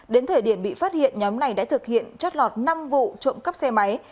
đến thời điểm bị phát hiện nhóm này đã thực hiện trót lọt năm vụ trộm cắp xe máy